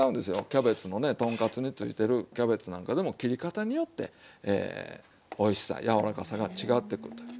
キャベツもね豚カツについてるキャベツなんかでも切り方によっておいしさ柔らかさが違ってくるという。